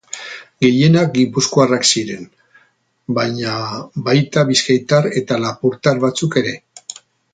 Gehienak gipuzkoarrak ziren, baina baita bizkaitar eta lapurtar batzuk ere.